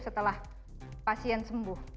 karena itu adalah pasien sembuh